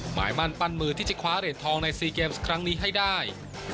หมายมั่นปั้นมือที่จะคว้าเหรียญทองใน๔เกมส์ครั้งนี้ให้ได้